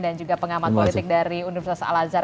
dan juga pengamat politik dari universitas al azhar